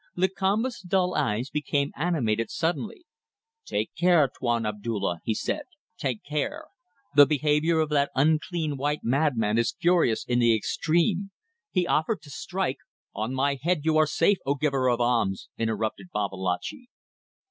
Lakamba's dull eyes became animated suddenly. "Take care, Tuan Abdulla," he said, "take care. The behaviour of that unclean white madman is furious in the extreme. He offered to strike ..." "On my head, you are safe, O Giver of alms!" interrupted Babalatchi.